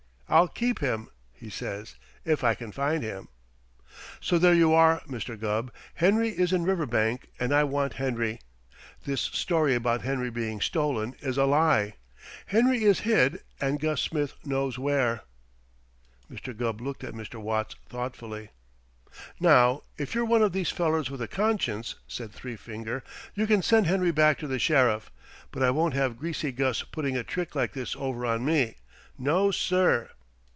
I'll keep him,' he says, 'if I can find him.' So there you are, Mr. Gubb. Henry is in Riverbank, and I want Henry. This story about Henry being stolen is a lie. Henry is hid, and Gus Smith knows where." Mr. Gubb looked at Mr. Watts thoughtfully. "Now, if you're one of these fellers with a conscience," said Three Finger, "you can send Henry back to the Sheriff. But I won't have Greasy Gus putting a trick like this over on me! No, sir!"